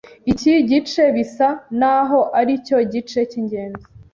Iki gice bisa naho aricyo gice kingenzi